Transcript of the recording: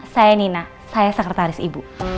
saya nina saya sekretaris ibu